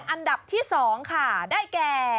อันดับที่๒ค่ะได้แก่